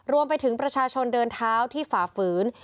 รวมไปถึงประชาชนเดินเท้าที่ฝ่าฝืน